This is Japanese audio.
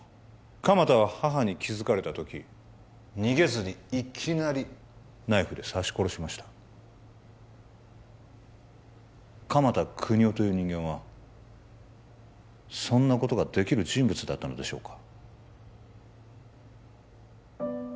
鎌田は母に気づかれた時逃げずにいきなりナイフで刺し殺しました鎌田國士という人間はそんなことができる人物だったのでしょうか？